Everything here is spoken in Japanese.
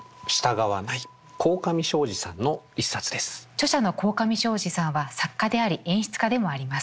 著者の鴻上尚史さんは作家であり演出家でもあります。